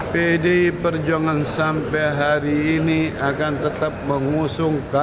pdi perjuangan sampai hari ini akan tetap mengusungkan